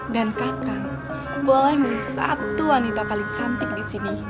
kakak boleh milih satu wanita paling cantik di sini